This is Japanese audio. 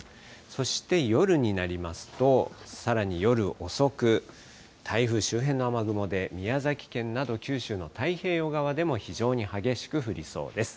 そして夜になりますと、さらに夜遅く、台風周辺の雨雲で、宮崎県など九州の太平洋側でも非常に激しく降りそうです。